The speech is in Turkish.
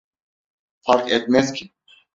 Fark etmez ki.